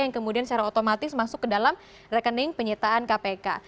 yang kemudian secara otomatis masuk ke dalam rekening penyitaan kpk